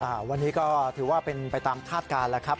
วันนี้ก็ถือว่าเป็นไปตามคาดการณ์แล้วครับ